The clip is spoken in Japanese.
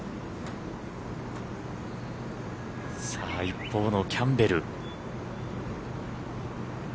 一方のキャンベル。